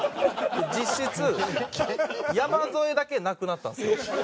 実質山添だけなくなったんですよ。